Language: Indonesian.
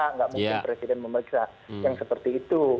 tidak mungkin presiden memeriksa yang seperti itu